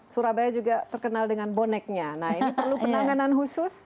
surabaya juga terkenal dengan boneknya nah ini perlu penanganan khusus